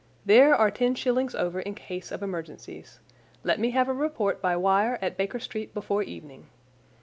There are ten shillings over in case of emergencies. Let me have a report by wire at Baker Street before evening.